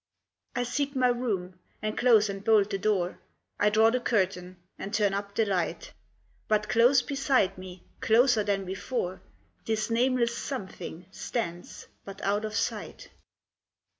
I seek my room, and close and bolt the door; I draw the curtain, and turn up the light; But close beside me, closer than before, This nameless something stands, but out of sight.